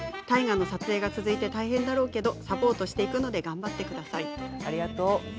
大河の撮影が続いて大変だろうけどサポートしていくのでありがとう。